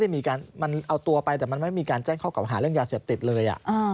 มันเอาตัวไปแต่มันไม่มีการแจ้งข้อเก่าหาเรื่องยาเสพติดเลย